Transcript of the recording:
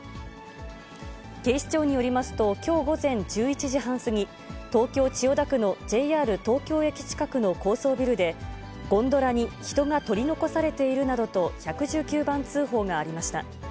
警視庁によりますと、きょう午前１１時半過ぎ、東京・千代田区のＪＲ東京駅近くの高層ビルで、ゴンドラに人が取り残されているなどと１１９番通報がありました。